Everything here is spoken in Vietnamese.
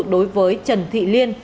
đối với trần thị liên